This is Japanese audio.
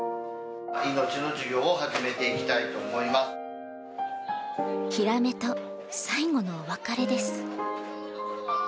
命を授業を始めていきたいとヒラメと最後のお別れです。